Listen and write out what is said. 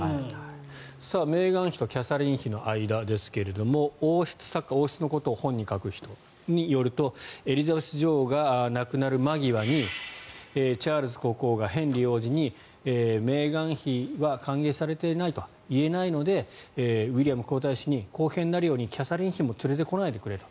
メーガン妃とキャサリン妃の間ですが王室作家、王室のことを本に書く人によるとエリザベス女王が亡くなる間際にチャールズ国王がヘンリー王子にメーガン妃は歓迎されてないとは言えないのでウィリアム皇太子に公平になるようにキャサリン妃も連れてこないでくれと。